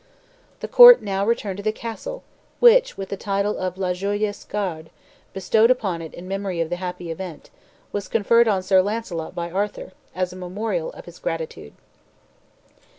The court now returned to the castle, which, with the title of "La Joyeuse Garde" bestowed upon it in memory of the happy event, was conferred on Sir Launcelot by Arthur, as a memorial of his gratitude.